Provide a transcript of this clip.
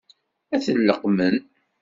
Ad ten-leqqmen?